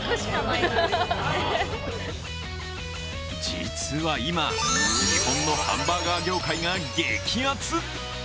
実は今、日本のハンバーガー業界が激アツ！